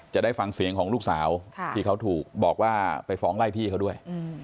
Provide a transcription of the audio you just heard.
จะได้ฟังเสียงของลูกสาวที่เขาถูกบอกว่าไปฟ้องไล่ที่เขาด้วย